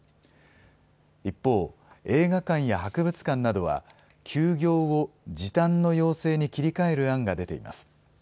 一方、映画館や博物館などは休業を時短の要請に切り替える案が出ています。